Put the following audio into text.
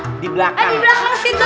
eh di belakang situ